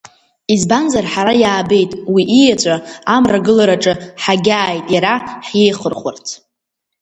Избанзар ҳара иаабеит Уи иеҵәа амрагылараҿы ҳагьааит Иара ҳиеихырхәарц.